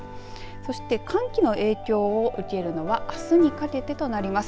そして寒気の影響を受けるのがあすにかけてとなります。